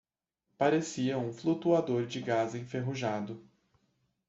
Parecia um flutuador de gás enferrujado.